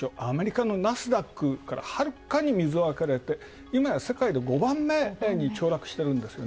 アメリカのナスダックからはるかに水分かれて今や世界で五番目に凋落している。